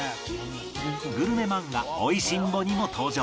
グルメ漫画『美味しんぼ』にも登場